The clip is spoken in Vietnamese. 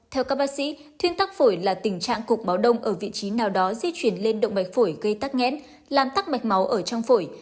theo các bác sĩ thuyên tắc phổi là tình trạng cục máu đông ở vị trí nào đó di chuyển lên động mạch phổi gây tắc nghẽn làm tắc mạch máu ở trong phổi